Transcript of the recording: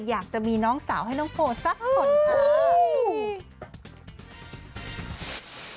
อยากจะมีน้องสาวให้น้องโพสักคนค่ะ